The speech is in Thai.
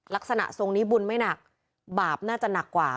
ลักษณะทรงนี้บุญไม่หนักบาปน่าจะหนักกว่า